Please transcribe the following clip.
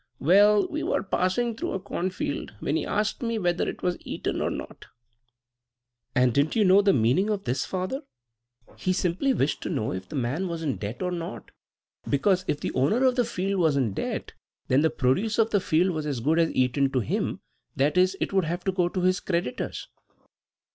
Well, we were passing through a corn field, when he asked me whether it was eaten or not." "And didn't you know the meaning of this, father? He simply wished to know if the man was in debt or not; because, if the owner of the field was in debt, then the produce of the field was as good as eaten to him; that is, it would have to go to his creditors."